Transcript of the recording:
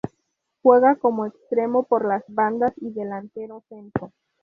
Juega como extremo por las bandas y Delantero centro.